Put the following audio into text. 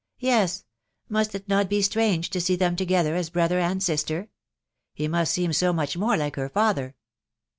— "Yes. ... "Mustit noffee strange >to rsee 4bem <tqgether as brother and sister? ... .he must seem so^machnaore like her father."'